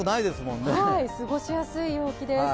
過ごしやすい陽気です。